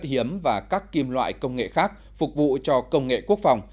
đất hiếm và các kim loại công nghệ khác phục vụ cho công nghệ quốc phòng